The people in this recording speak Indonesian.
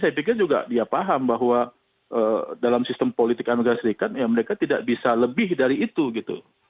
saya pikir juga dia paham bahwa dalam sistem politik amerika serikat ya mereka tidak bisa lebih dari itu gitu